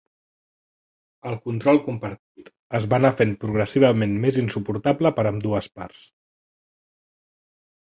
El control compartit es va anar fent progressivament més insuportable per a ambdues parts.